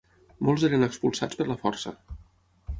Molts eren expulsats per la força.